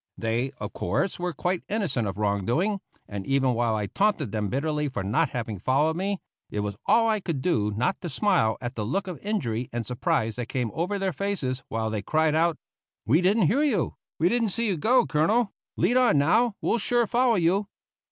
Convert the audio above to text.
They, of course, were quite innocent of wrong doing; and even while I taunted them bitterly for not having followed me, it was all I could do not to smile at the look of injury and surprise that came over their faces, while they cried out, "We didn't hear you, we didn't see you go, Colonel; lead on now, we'll sure follow you."